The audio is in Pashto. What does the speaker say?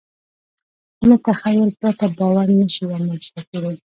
له تخیل پرته باور نهشي رامنځ ته کېدی.